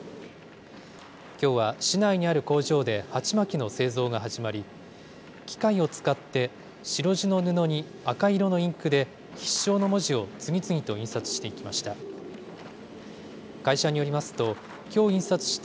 きょうは市内にある工場で鉢巻きの製造が始まり、機械を使って白地の布に赤色のインクで、必勝の文字を次々と印刷していきました。